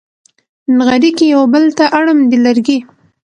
نغري کې یو بل ته اړم دي لرګي